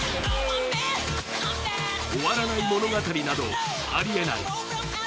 終わらない物語などありえない。